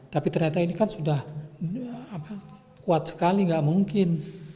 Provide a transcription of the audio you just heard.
tapi ternyata ini kan sudah kuat sekali nggak mungkin